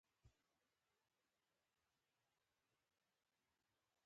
سپوږمۍ د شهلا خور ده.